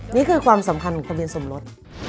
นี่คือความสำคัญของทะเบียนสมรส